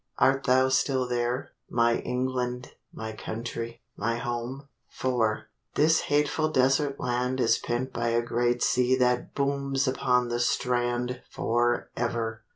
Art thou still there, My England, my country, my home? IV This hateful desert land Is pent by a great sea That booms upon the strand For ever.